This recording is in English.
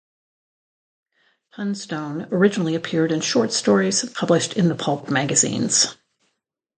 Thunstone originally appeared in short stories published in the pulp magazines.